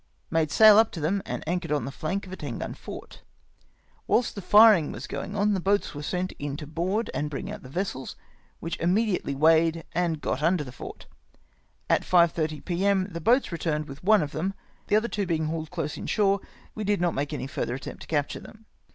Made sail up to them and anchored on the flank of a ten gun fort. Whilst the firing was going on, the boats were sent in to board and bring out the vessels, which immediately weighed and got under the fort. At 5*30 p.m. the boats returned with one of them ; the other two being hauled close in shore, we did not make any further attempt to capture them.